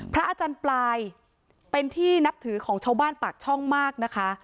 อาจารย์ปลายเป็นที่นับถือของชาวบ้านปากช่องมากนะคะ